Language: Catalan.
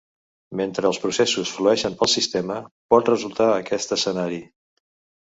Mentre els processos flueixen pel sistema, pot resultar aquest escenari.